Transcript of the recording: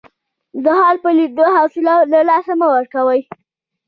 د حال په لیدو حوصله له لاسه مه ورکوئ.